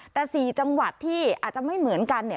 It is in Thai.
แต่๔จังหวัดที่อาจจะไม่เหมือนกันเนี่ย